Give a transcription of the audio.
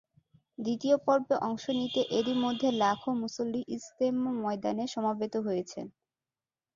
দ্বিতীয় পর্বে অংশ নিতে এরই মধ্যে লাখো মুসল্লি ইজতেমা ময়দানে সমবেত হয়েছেন।